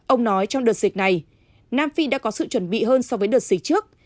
ông nói trong đợt dịch này nam phi đã có sự chuẩn bị hơn so với đợt dịch trước